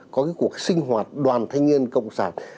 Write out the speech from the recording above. có cái cuộc sinh hoạt đoàn thanh niên cộng sản